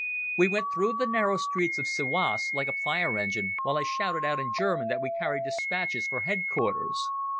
We went through the narrow streets of Siwas like a fire engine, while I shouted out in German that we carried despatches for headquarters.